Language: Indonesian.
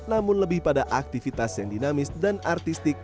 namun lebih pada aktivitas yang dinamis dan artistik